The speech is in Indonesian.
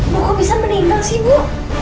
bu kok bisa meninggal sih bu